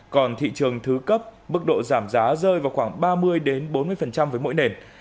còn thị trường thứ cấp mức độ giảm giá rơi vào khoảng ba mươi bốn mươi với mỗi nền